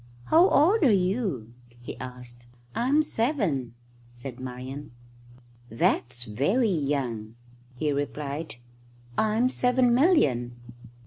"How old are you?" he asked. "I'm seven," said Marian. "That's very young," he replied. "I'm seven million."